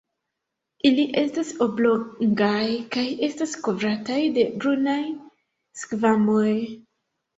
Ili estas oblongaj kaj estas kovrataj de brunaj skvamoj.